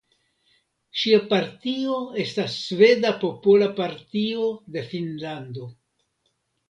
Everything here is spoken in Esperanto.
Ŝia partio estas Sveda Popola Partio de Finnlando.